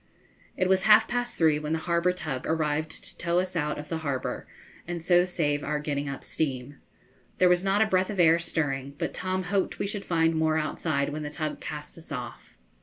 It was half past three when the harbour tug arrived to tow us out of the harbour and so save our getting up steam. There was not a breath of air stirring, but Tom hoped we should find more outside when the tug cast us off.